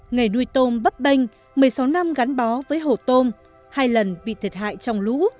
nghề nuôi tôm bấp bênh một mươi sáu năm gắn bó với hồ tôm hai lần bị thiệt hại trong lũ